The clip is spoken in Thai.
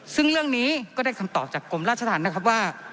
ซึ่งเรื่องนี้ก็ได้คำตอบจากกรมราชธรรมนะครับว่า